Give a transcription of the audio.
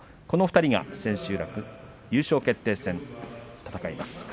この２人が千秋楽優勝決定戦戦います。